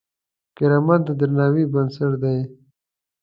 کرامت د درناوي بنسټ دی.